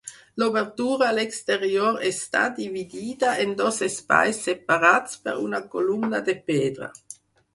L'obertura a l'exterior està dividida en dos espais separats per una columna de pedra.